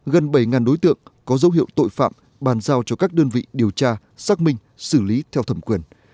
gần bảy đối tượng có dấu hiệu tội phạm bàn giao cho các đơn vị điều tra xác minh xử lý theo thẩm quyền